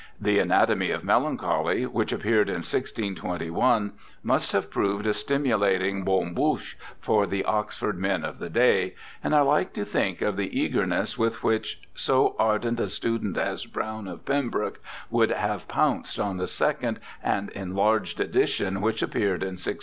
The Anatomy of Melancholy, which appeared in 162 1, must have proved a stimulating bonne bouche for the Oxford men of the day, and I like to think of the eagerness with which so ardent a student as Browne of Pembroke would have pounced on the second and enlarged edition which appeared in 1624.